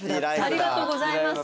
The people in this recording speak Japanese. ありがとうございます。